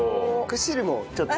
汁もちょっと。